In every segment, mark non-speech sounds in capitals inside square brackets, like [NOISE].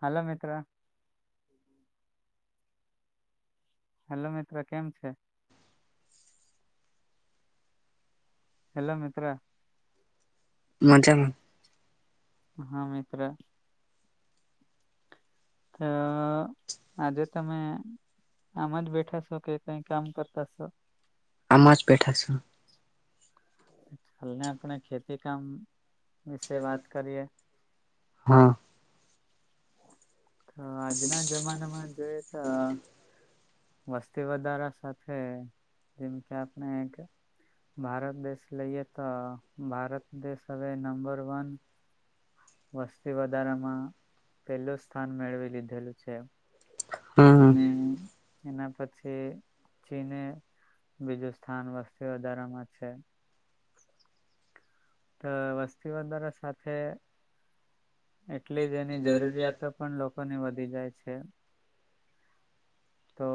હાલો મિત્ર. હેલો મિત્ર કેમ છે? હેલો મિત્ર. મજામાં. હા મિત્ર. તો આજે તમે આમ જ બેઠા છો કે કઈ કામ કરતા છો? [INAUDIBLE] હા. તો આજના જમાનામાં જોઈએ તો વસ્તી વધારા સાથે જેમ કે આપણે કે ભારત દેશ લઈએ તો ભારત દેશ હવે નંબર વન વસ્તી વધારામાં પહેલો સ્થાન મેળવેલ અને એના પછી ચીને બીજું સ્થાન વસ્તી વધારામાં છે. તો વસ્તી વધારો સાથે એટલી જ એની જરૂરિયાતો પણ લોકોને વધી જાય છે. તો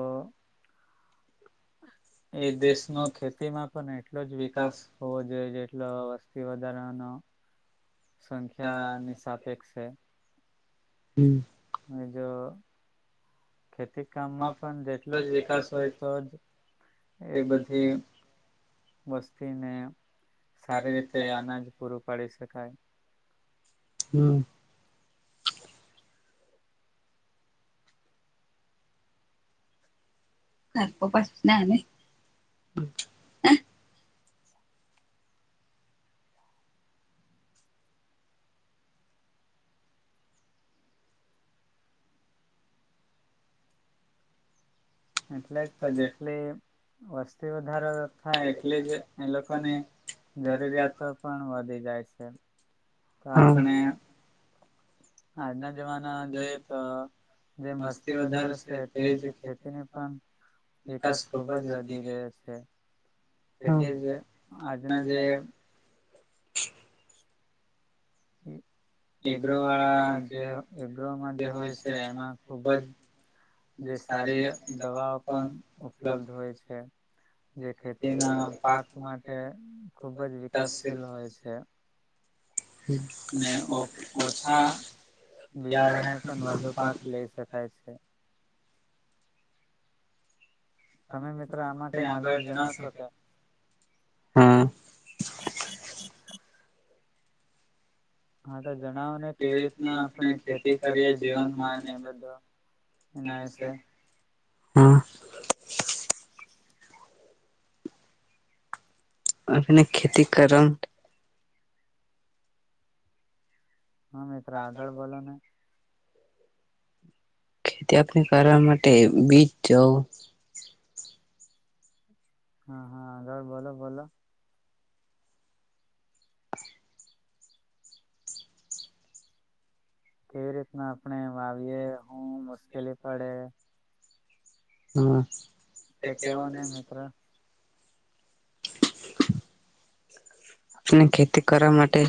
એ દેશનો ખેતીમાં પણ એટલો જ વિકાસ હોવો જોઈએ એટ વસ્તી વધારાનો સંચાર સાથે છે જો ખેતી કામમાં પણ જેટલો જ વિકાસ હોય તો જ એ બધી વસ્તીને સારી રીતે અનાજ પૂરું પાડી શકાય હમ્મ. [UNINTELLIGIBLE] એટલે જ જેટલી વસ્તી વધારો થાય એટલી જ એ લોકોની જરૂરિયાતો પણ વધી જાય છે તો આપણે આજના જમાનામાં જોઈયએ તો જે વસ્તી વધારો છે તેજ ખેતીની પણ વિકાસ ખુબ જ વધી ગયો છે તેથી જ આજના જે [INAUDIBLE] ગ્ર વાળા જે ગ્ર જે હોય છે એમાં ખુબ જ જે સારી દવાઓ પણ ઉપલબ્ધ હોય છે જે ખેતીના પાક માટે ખૂબ જ વિકાસશીલ હોય છે. અને ઓછા બિયારણે પણ વધુ પાક લઈ શકાય છે. તમે મિત્રો આ માટે આગળ જણાશો કે હા જણાવ કેવી રીત આપણે ખેતી કરી જીવનમાં બધું [INAUDIBLE] ખેતી કરણ હા મિત્ર આગળ બોલો ને ખેતી આપણી કરવા માટે બીજ જવું હા હા ઘર બોલો બોલો. કે રેતના. આપણે વાવીએે હું મુશ્કેલી પડે હા. ટ્રેક્ટર અને આપને ખેતી કરવા માટે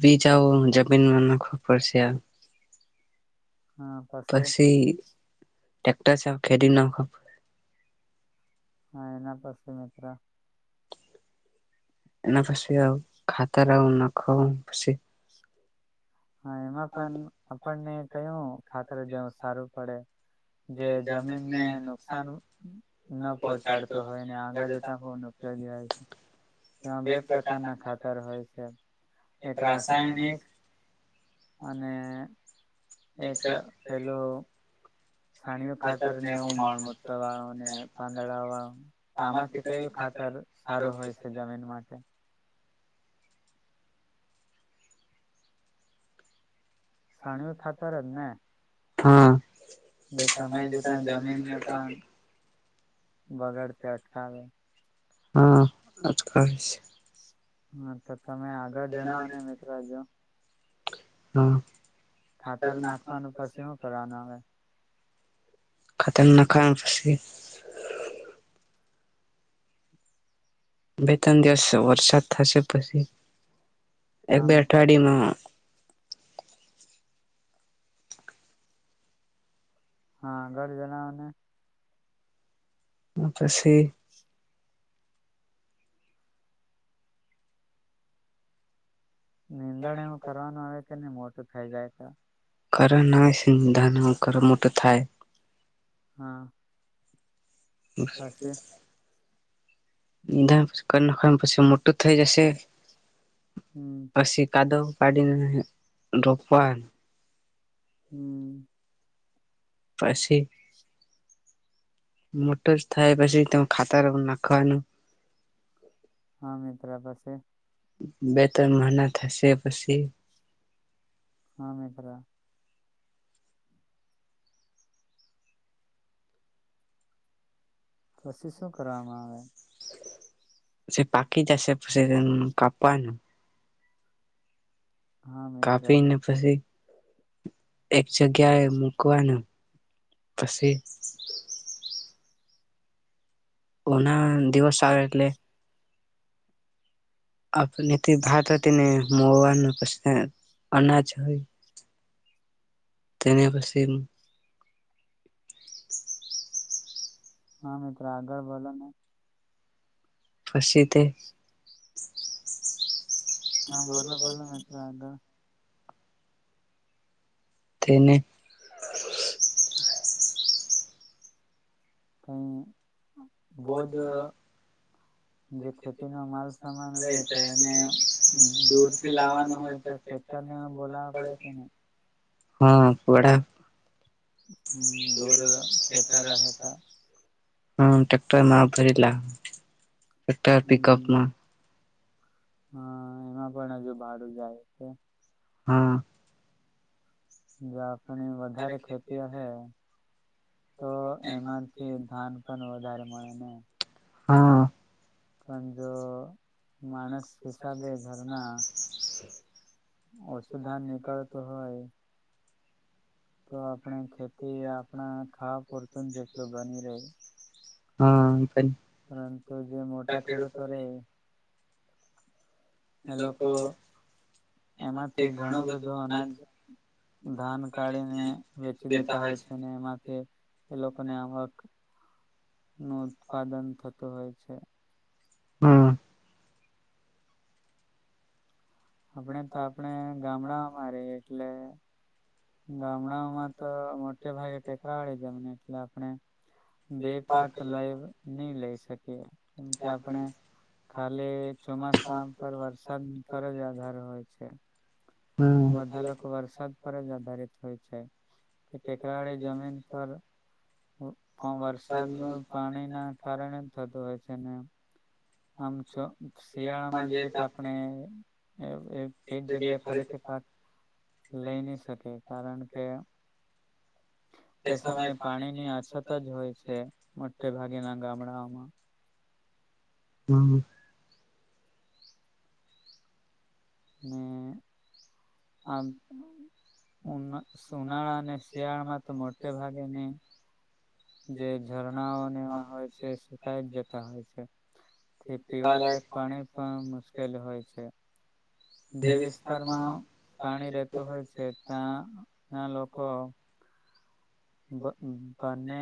બીજાજમીનમાં નાખવા પડશે આ હા પાસે ટટેક્ટર સા ખેતી ના ખ હા એના પછી મિત્ર એના પછી આ ખાતાર આવ નાખ પછી [INAUDIBLE] હા એમાં પણ આપણને કયું ખાતર જેવ સારું પડે જે જમીનને નુકસાન ન પહોચાડતું હોય ને આગળ જતા પણ ઉપયોગી હોય છે તેમાં બે પ્રકારના ખાતર હોય છે એક [UNINTELLIGIBLE] અને અને એક પેલુ સાણિયું ખાતર ને એવું મડ મૂત્ર વાળું ને પાંદડા વાળું તો આમાંથી કયું ખાતર સારું હોય છે જમીન માટે હા સમય જતા જમીનતાગાર હા અટકાવે છે હા તો તમે આગળ જણાવો ને મિત્રો જો ખાતર નાખવાનું પછી શું કરવાનું આવે ખાત નાખા પછી બે ત્રણ દિવસ વરસાદ થશે પછી એક બે અઠવાડય માં હા ઘર જનાઓને હ પછી નીંદણ એવું કરવાનું આવે કે ને મોટું થઈ જાય [INAUDIBLE] કર ના સિંધાણા કર મોટો થાય હા [INAUDIBLE] એધણ પછી મોટું થઈ જશે પછી કાદવ કાડીને રોપવા હમ્મ પછી મોટો જ થાય પછી તો ખાતાર ના ખવાનું હા મિત્ર બસ અ બે ત્રણ મહિના થશે પછી હા મિત્ર. પછી શું કરવામાં આવે? પછી પાકી જશે પછી કાપવાનું. કાફી ને પછી એક જગ્યાએ મૂકવાનું. પછી ઉનાળા દિવસ ચાર એટલે આપને ભાત હતી ને મોવાનું પ અનાજ હોય તેના પછી હા મિત્ર આગળ બોલો ને. પછી તે [INAUDIBLE] હા બોલો બોલો મ [UNINTELLIGIBLE] તને ત બોજ જે ખેતી ન માલસામાન રે તો એને દૂર થી લાવવાનું હોય તો ટ્રેક્ટરને બોલાવા પડે કે નહી. હા પડા હ દોર ખતા રહેતા હમ ટક્ટર મા ભરીલા. ટ્રેક્ટર, પિકઅપમાં. હા એમાં પણ હજુ ભાડું જાય છે. હા. જ ઘણી વધારે ખેતી હ તો એમાંથી ધાન પણ વધારે મળે ને. હા. પણ જો માણસ હિસાબે ઘરમાં, ઓછું ધાર નીકળતું હોય તો આપણે ખેતી આપણા ખાવા પૂરતું જેટલું બની રહી. હા. પરંતુ જે મોટા ખેડૂતો હે એ લોકો એમાંથી ઘણું બધું અનાજ ધાન કાઢીને વેચી દેતા હોય છે અને એમાંથી એ લોકોની આવકનું ઉત્પાદન થતું હોય છે. હમ હમણે તો આપણે ગામડામાં રહી એટલે ગામડાઓમાં તો મોટે ભાગે ટેકરાવાળી જમીન એટલે આપણે બે પાક લઈ નહી લઈ શકીએ કેમ કે આપણે ખાલી ચોમાસા પર વરસાદ ફરજ વધારે હોય છે. બધા લોકો વરસાદ પર જ આધારિત હોય છે, કે ટેકરાવાળી જમીન પર વરસાદનું પાણીના કારણે થતું હોય છે, ને આમ શિયાળામાં જઈએ તો આપણે એવું એ એ જ જગ્યાએ ફરીથી પાક લઈ ની શકે, કારણ કે તે સમયે પાણીની અછત જ હોય છે મોટે ભાગેના ગામડાઓમાં હમ. ને આમ ઉના ઉનાળાને શિયાળામાં તો મોટે ભાગે ની જે ઝરણાઓને હોય છે, સુકાઈ જતા હોય છે, તે પીવાલાયક પાણી પણ મુશ્કેલ હોય છે. જે વિસ્તારમાં પાણી રહેતું હોય છે તા ત્યાં લોકો બ બંને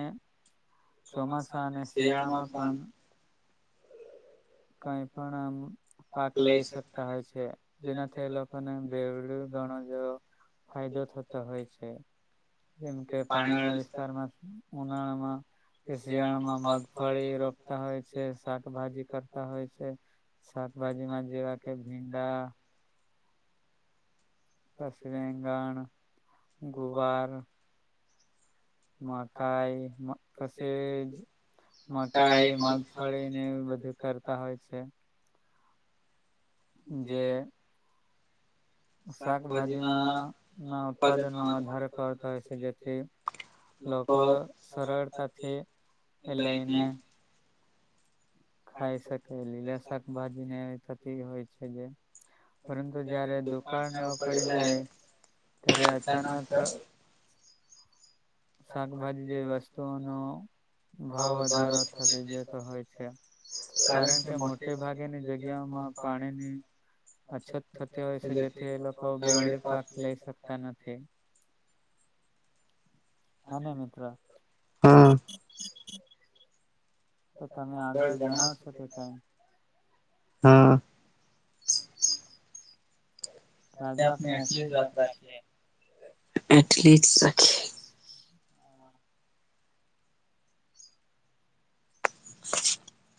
ચોમાસા અને શિયાળામાં પન કઈ પણ મ પાક લઈ શકતા હોય છે, જેનાથી એ લોકોને ઘણો જ ફાયદો થતો હોય છે, જેમ કે પાણી વાળા વિસ્તારમાં ઉનાળામાં કે શિયાળામાં મગફળી રોપતા હોય છે, શાકભાજી કર તા હોય છે. શાકભાજીમાં જેવા કે ભીંડા પછી રેગણ, ગુવાર, મકાઈ પસે મકાઈ, મગફળીને એવું બધું કરતા હોય છે. જે- શાકભાજીમાં ના ઉત્પાદનમાં વધારો કરતો હોય છે. જેથી લોકો સરળતાથી લઈને ખાઈ શકે લીલા શાકભાજીને થતી હોય છે જે, પરંતુ જયારે દુકાળને એવો પડી જાય ત્યારે અચાનક શાકભાજી જેવી વસ્તુઓનો ભાવ વધારો થતી જતો હોય છે, કારણ કે મોટે ભાગેની જગ્યાઓમાં પાણીની અછત થતી હોય છે, જેથી એ લોકો બેવડી પાક લઈ શકતા નથી. હ ન મિત્ર તો તમે આગળ જણાવશો કે કાંઈ? હ તો આજે આપણે અટલી જ વાત રાખીએ. [INAUDIBLE] [INAUDIBLE]